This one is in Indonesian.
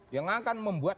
yang akan membuat